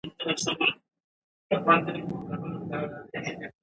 مېرمن بینتهاوس د اروپا د فضايي ادارې کارکوونکې ده.